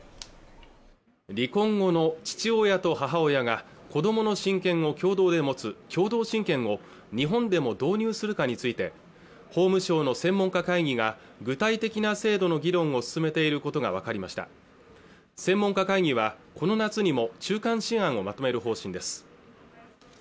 離婚後の父親と母親が子どもの親権を共同で持つ共同親権を日本でも導入するかについて法務省の専門家会議が具体的な制度の議論を進めていることが分かりました専門家会議はこの夏にも中間試案をまとめる方針です